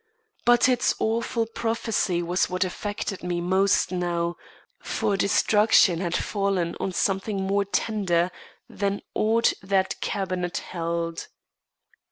But its awful prophecy was what affected me most now; for destruction had fallen on something more tender than aught that cabinet held.